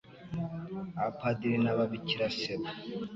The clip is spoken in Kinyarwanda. abapadiri n'ababikira se bo